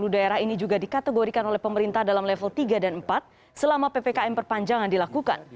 satu ratus delapan puluh daerah ini juga dikategorikan oleh pemerintah dalam level tiga dan empat selama ppkm perpanjangan dilakukan